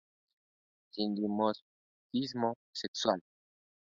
Sin dimorfismo sexual.